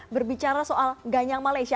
berbicara soal ganyang malaysia